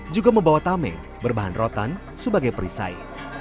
juga membawa tameng berbahan rotan sebagai perisai